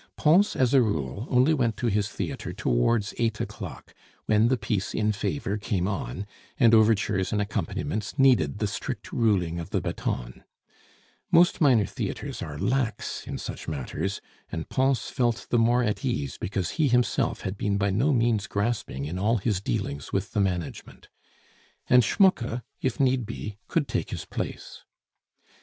Pons, as a rule, only went to his theatre towards eight o'clock, when the piece in favor came on, and overtures and accompaniments needed the strict ruling of the baton; most minor theatres are lax in such matters, and Pons felt the more at ease because he himself had been by no means grasping in all his dealings with the management; and Schmucke, if need be, could take his place.